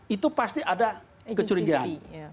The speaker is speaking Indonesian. itu pasti ada kecurigaan